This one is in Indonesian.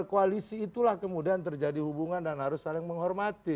koalisi itulah kemudian terjadi hubungan dan harus saling menghormati